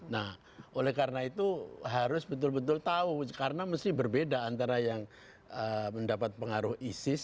nah oleh karena itu harus betul betul tahu karena mesti berbeda antara yang mendapat pengaruh isis